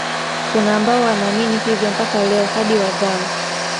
Kuna ambao wanaamini hivyo mpaka leo hadi wazawa